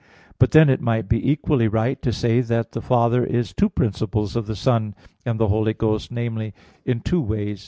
But then it might be equally right to say that the Father is two principles of the Son and of the Holy Ghost namely, in two ways.